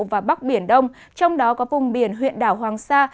và bắc biển đông trong đó có vùng biển huyện đảo hoàng sa